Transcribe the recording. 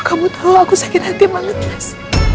kamu tahu aku sakit hati banget mas